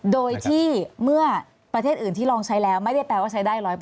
โดยที่เมื่อประเทศอื่นที่ลองใช้แล้วไม่ได้แปลว่าใช้ได้๑๐๐